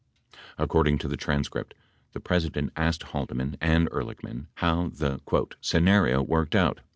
74 Ac cording to the transcript, the President asked Haldeman and Ehrlich man how the "scenario worked out."